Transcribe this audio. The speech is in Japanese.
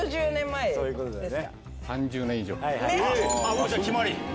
もうじゃあ決まり？